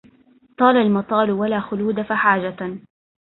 طال المطال ولا خلود فحاجة